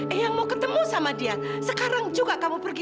eh yang mau ketemu sama dia sekarang juga kamu pergi